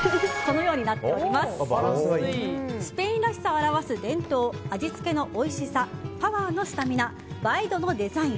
スペインらしさを表す伝統味付けのおいしさパワーのスタミナ映え度のデザイン。